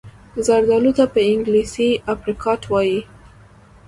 زردالو ته په انګلیسي Apricot وايي.